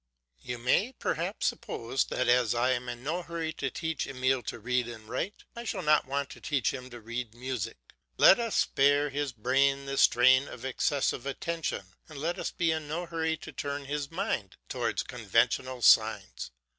You may perhaps suppose that as I am in no hurry to teach Emile to read and write, I shall not want to teach him to read music. Let us spare his brain the strain of excessive attention, and let us be in no hurry to turn his mind towards conventional signs.